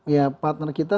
ya partner kita